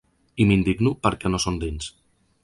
I m’indigno perquè no són dins.